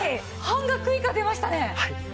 半額以下出ましたね！